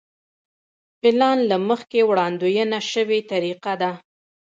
پلان له مخکې وړاندوينه شوې طریقه ده.